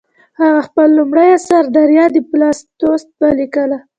هغه خپل لومړی اثر دریا د پیلاتوس ولیکه.